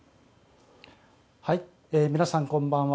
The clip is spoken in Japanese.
皆さん、こんばんは。